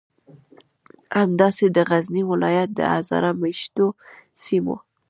همداسې د غزنی ولایت د هزاره میشتو سیمو